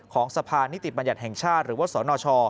ของสะพานนิติบัญญัติแห่งชาติหรือว่าสนช